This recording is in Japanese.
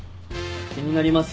気になります？